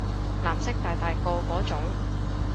藍色大大個嗰種